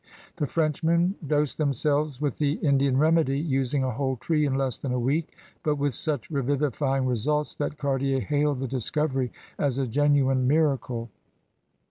The Frenchmen dosed themselves with the Indian remedy, using a whole tree in less than a week, but with such revivifying results that Cartier hailed the discovery as a genuine miracle.